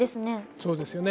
そうですよね。